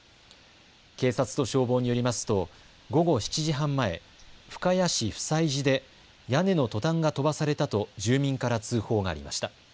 警察と消防によりますと午後７時半前、深谷市普済寺で屋根のトタンが飛ばされたと住民から通報がありました。